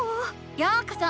ようこそ！